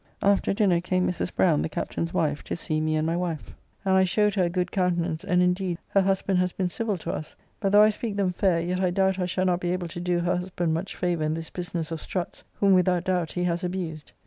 After dinner came Mrs. Browne, the Captain's wife, to see me and my wife, and I showed her a good countenance, and indeed her husband has been civil to us, but though I speak them fair, yet I doubt I shall not be able to do her husband much favour in this business of Strutt's, whom without doubt he has abused.